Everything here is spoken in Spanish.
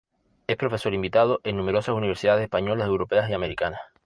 Es profesor invitado en numerosas universidades españolas, europeas y americanas.